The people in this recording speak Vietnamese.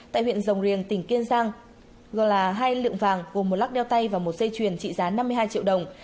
tại huyện rồng riềng tỉnh kiên giang là hai lượng vàng gồm một lắc đeo tay và một dây chuyền trị giá năm mươi hai triệu đồng